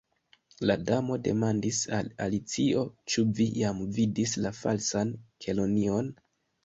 La Damo demandis al Alicio: "Ĉu vi jam vidis la Falsan Kelonion?"